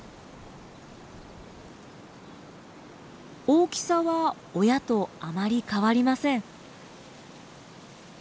大きさは親とあまり変わりません。